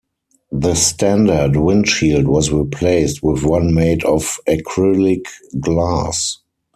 The standard windshield was replaced with one made of acrylic glass.